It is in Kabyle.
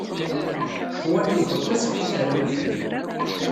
Juan yuweḍ taṣebḥit ɣer unafag.